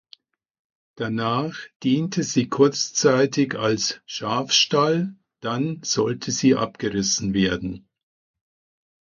Danach diente sie kurzzeitig als Schafstall, dann sollte sie abgerissen werden.